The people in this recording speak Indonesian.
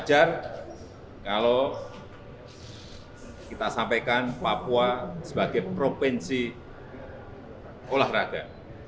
wajar kalau kita sampaikan papua sebagai provinsi olahraga